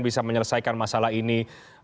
bisa menyelesaikan masalah ini